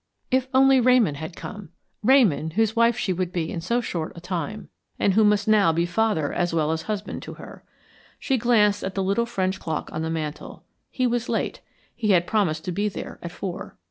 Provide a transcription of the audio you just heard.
If only Ramon had come Ramon, whose wife she would be in so short a time, and who must now be father as well as husband to her. She glanced at the little French clock on the mantel. He was late he had promised to be there at four.